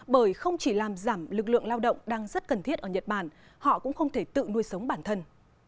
bởi không chỉ làm giảm lực lượng lao động đang rất cần thiết ở nhật bản họ cũng không thể tự nuôi sống bản thân